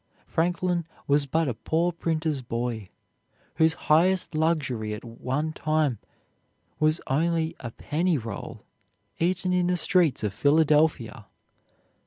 Franklin was but a poor printer's boy, whose highest luxury at one time was only a penny roll, eaten in the streets of Philadelphia.